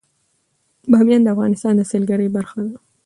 بامیان د افغانستان د سیلګرۍ برخه ده.